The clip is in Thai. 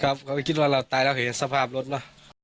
ครับเขาก็คิดว่าเราตายแล้วเห็นสภาพรถเนอะ